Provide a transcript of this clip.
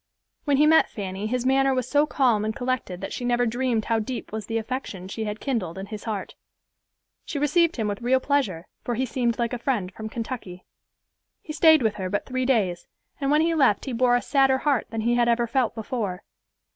When he met Fanny his manner was so calm and collected that she never dreamed how deep was the affection she had kindled in his heart. She received him with real pleasure, for he seemed like a friend from Kentucky. He staid with her but three days, and when he left he bore a sadder heart than he had ever felt before.